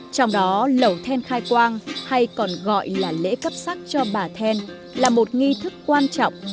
trong đó lẩu then khai quang hay còn gọi là lễ cấp sắc cho bà then là một nghi thức quan trọng